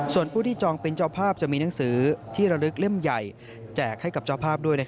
ส่วนผู้ที่จองเป็นเจ้าภาพจะมีหนังสือที่ระลึกเล่มใหญ่แจกให้กับเจ้าภาพด้วย